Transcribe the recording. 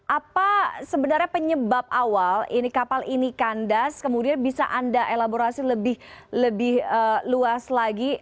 apa sebenarnya penyebab awal kapal ini kandas kemudian bisa anda elaborasi lebih luas lagi